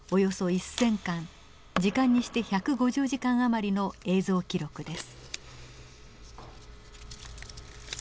時間にして１５０時間余りの映像記録です。